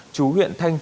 chú huyện thanh trịnh